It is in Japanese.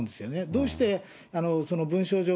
どうして文章上、